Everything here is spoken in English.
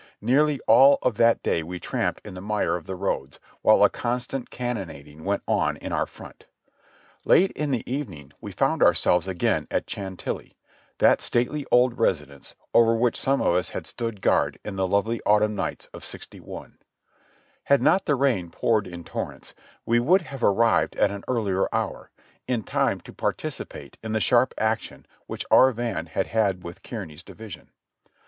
Nearly all of that day we tramped in the mire of the roads, while a constant cannonading went on in our front. Late in the evening we found ourselves again at Chantilly, that stately old residence over which some of us had stood guard in tlie lovely autumn nights of '6i. Had not the rain poured in torrents, we would have arrived at an earlier hour, in time to participate in the sharp action which our van had had with Kearny's division.